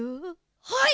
はい！